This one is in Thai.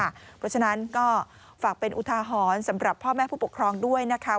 เพราะฉะนั้นก็ฝากเป็นอุทาหรณ์สำหรับพ่อแม่ผู้ปกครองด้วยนะคะ